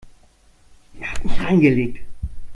Er hat mich reingelegt.